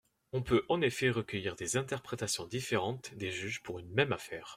On peut en effet recueillir des interprétations différentes des juges pour une même affaire.